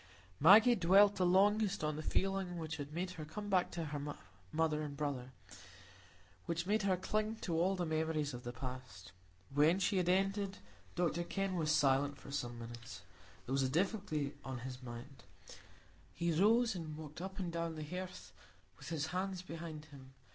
Maggie dwelt the longest on the feeling which had made her come back to her mother and brother, which made her cling to all the memories of the past. When she had ended, Dr Kenn was silent for some minutes; there was a difficulty on his mind. He rose, and walked up and down the hearth with his hands behind him.